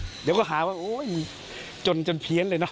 เดี๋ยวเขาหาว่าจนจนเพี้ยนเลยนะ